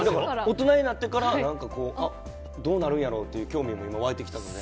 大人になってからなんかこう、どうなるんやろうっていう興味が僕、湧いてきたので。